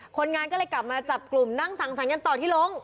คนงานก็เลยกลับมาจับกลุ่มนั่งสังศรัทธิ์แล้วกันต่อที่หลง